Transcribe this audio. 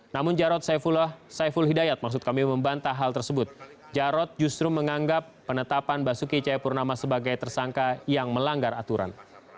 namun jarot saiful hidayat membantah hal tersebut jarot justru menganggap penetapan basuki cahayapurnama sebagai tersangka yang melanggar aturan